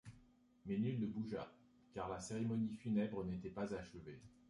Mais nul ne bougea, car la cérémonie funèbre n’était pas achevée.